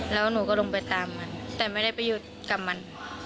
แล้วหนูก็ลงไปตามมันแต่ไม่ได้ไปหยุดกับมัน